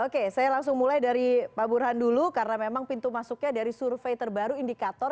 oke saya langsung mulai dari pak burhan dulu karena memang pintu masuknya dari survei terbaru indikator